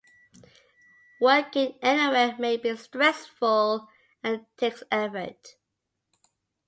Working anywhere may be stressful and takes effort.